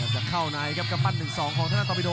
จะเข้าในครับกระปั้นหนึ่งสองของท่านตอบิโด